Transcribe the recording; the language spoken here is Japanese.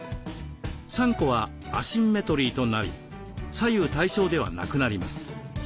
３個はアシンメトリーとなり左右対称ではなくなります。